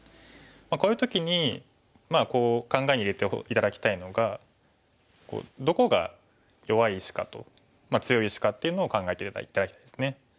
こういう時にまあ考えに入れて頂きたいのがどこが弱い石かと強い石かっていうのを考えて頂きたいですね。